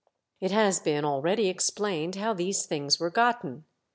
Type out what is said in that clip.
It has been already explained how these things were gotten.